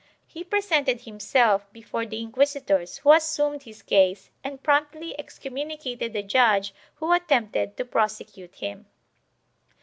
He presented himself before the inquisitors who assumed his case and promptly excommunicated the judge who attempted to prosecute him.